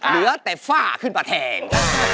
เหลือแต่ฝ้าขึ้นมาแทง